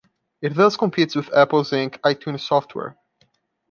It thus competes with Apple Inc.'s iTunes software.